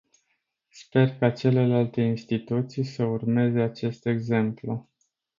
Sper ca celelalte instituții să urmeze acest exemplu.